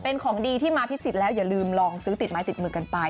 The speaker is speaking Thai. เป็นของดีที่มาพิศจิตแล้วเดี๋ยวลืมลองซื้อติดมาอย์ติดมือกันไป